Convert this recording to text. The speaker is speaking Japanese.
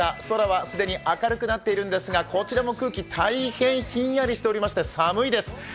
空は既に明るくなっているんですがこちらも空気、大変ひんやりしておりまして寒いです。